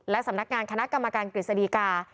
และสำนักงานคณะกรรมการกฤษฎีกา